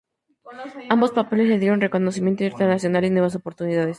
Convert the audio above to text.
Ambos papeles le dieron reconocimiento internacional y nuevas oportunidades.